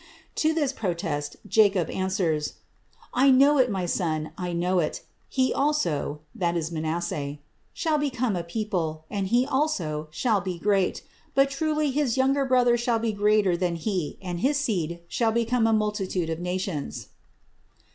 To this protest Jacob answers: "I know it, my son, I know it: he also [Manasseh] shall become a people, and he also shall be great: but truly his younger brother shall be greater than he, and his seed shall become a multitude of nations."